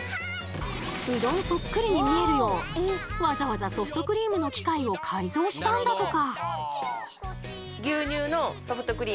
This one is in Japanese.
うどんそっくりに見えるようわざわざソフトクリームの機械を改造したんだとか！